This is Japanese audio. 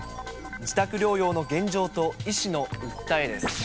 自宅療養の現状と医師の訴えです。